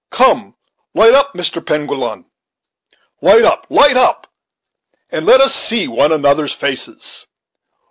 Come, light up, Mr. Penguillan, light up, light up, and let us see One another's faces.